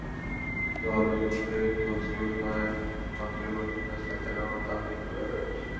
জবাবে শুরুতে ঝলসে ওঠে মাত্রই পঞ্চম ম্যাচ খেলতে নামা তামিম ইকবালের ব্যাট।